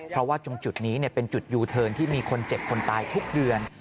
เพราะว่าตรงจุดนี้เป็นจุดยูเทิร์นที่มีคนเจ็บคนตายทุกเดือน